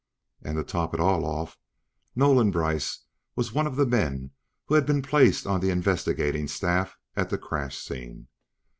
And to top it all off, Nolan Brice was one of the men who had been placed on the investigating staff at the crash scene.